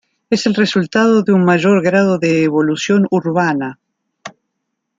Es el resultado de de un mayor grado de evolución urbana.